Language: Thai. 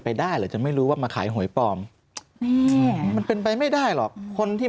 ได้หรือจะไม่รู้ว่ามาขายหวยปลอมอืมมันเป็นไปไม่ได้หรอกคนที่